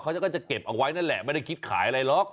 เขาก็จะเก็บเอาไว้นั่นแหละไม่ได้คิดขายอะไรหรอก